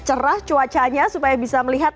cerah cuacanya supaya bisa melihat